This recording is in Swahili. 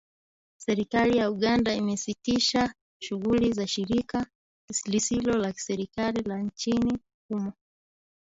Serikali ya Uganda imesitisha shughuli za shirika lisilo la kiserikali la nchini humo